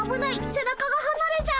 背中がはなれちゃう！